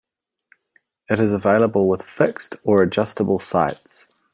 It is available with fixed or adjustable sights.